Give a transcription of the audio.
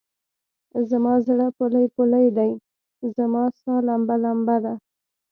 زما زړه پولۍ پولۍدی؛ رما سا لمبه لمبه ده